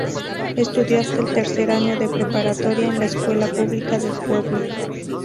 Estudió hasta el tercer año de preparatoria en la Escuela Pública del pueblo.